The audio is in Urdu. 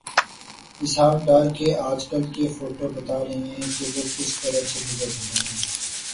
اسحاق ڈار کے آج کل کے فوٹوبتا رہے ہیں کہ وہ کس کرب سے گزر رہے ہیں۔